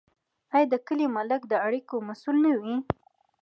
آیا د کلي ملک د اړیکو مسوول نه وي؟